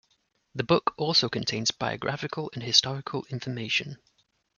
The book also contains biographical and historical information.